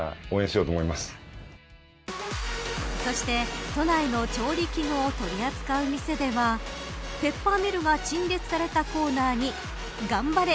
そして都内の調理器具を取り扱う店ではペッパーミルが陳列されたコーナーにガンバレ！